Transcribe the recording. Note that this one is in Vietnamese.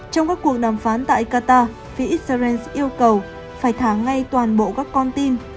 trong các cuộc đàm phán tại qatar phía israel yêu cầu phải thả ngay toàn bộ các con tin